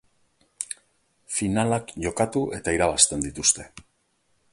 Finalak jokatu eta irabazten dituzte.